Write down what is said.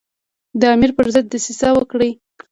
د امیر پر ضد دسیسه وکړي.